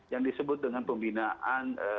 yang disebut dengan pembinaan